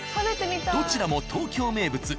どちらも東京名物